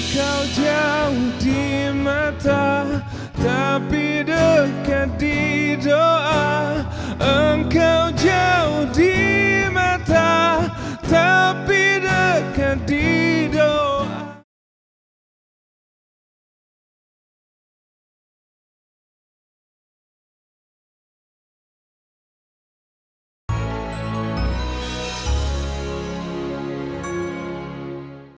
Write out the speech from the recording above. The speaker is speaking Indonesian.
tunggu alisa ngelirik